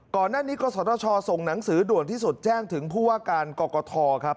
ก่อนหน้านี้กศชส่งหนังสือด่วนที่สุดแจ้งถึงผู้ว่าการกกทครับ